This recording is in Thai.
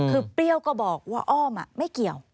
คือเปรี้ยวก็บอกว่าอ้อมไม่เกี่ยว